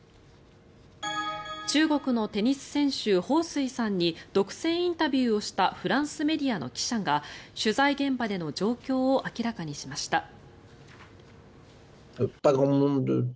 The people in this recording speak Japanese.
中国のテニス選手ホウ・スイさんに独占インタビューをしたフランスメディアの記者が取材現場での状況を明らかにしました。